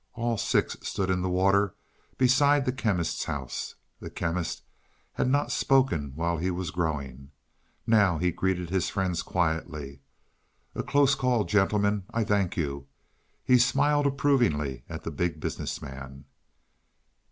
All six stood in the water beside the Chemist's house. The Chemist had not spoken while he was growing; now he greeted his friends quietly. "A close call, gentlemen. I thank you." He smiled approvingly at the Big Business Man.